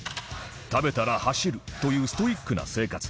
食べたら走るというストイックな生活